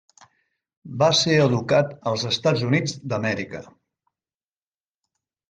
Va ser educat als Estats Units d'Amèrica.